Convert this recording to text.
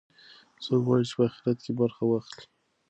څوک غواړي چې په خیرات کې برخه واخلي؟